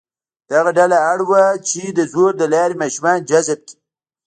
دغه ډله اړ وه چې د زور له لارې ماشومان جذب کړي.